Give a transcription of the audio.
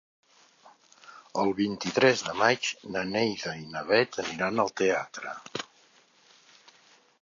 El vint-i-tres de maig na Neida i na Bet aniran al teatre.